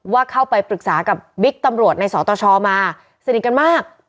ว่าเข้าไปปรึกษากับบิ๊กตำรวจในสตชมาสนิทกันมาก